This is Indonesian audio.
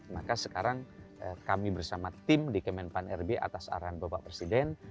maka sekarang kami bersama tim di kemenpan rb atas arahan bapak presiden